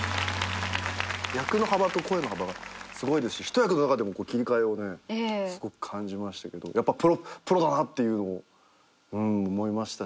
役の幅と声の幅がすごいですし一役の中でも切り替えをすごく感じましたけどやっぱプロだなっていうのを思いましたし。